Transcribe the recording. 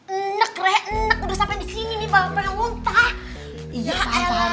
enak udah sampai disini nih bapak muntah